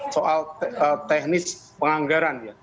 soal teknis penganggaran